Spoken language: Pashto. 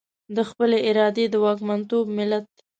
د خپلې ارادې د واکمنتوب ملت.